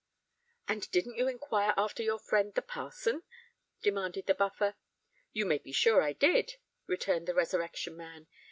"And didn't you inquire after your friend the parson?" demanded the Buffer. "You may be sure I did," returned the Resurrection Man.